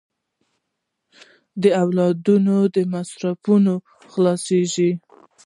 د اولادونو د مصرفونو خلاصېږي.